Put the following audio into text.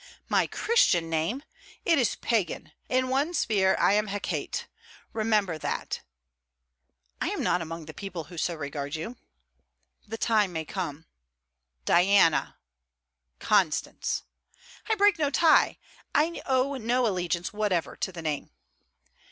'My Christian name! It is Pagan. In one sphere I am Hecate. Remember that.' 'I am not among the people who so regard you.' 'The time may come.' 'Diana!' 'Constance!' 'I break no tie. I owe no allegiance whatever to the name.'